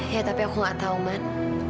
ya tapi aku gak tau man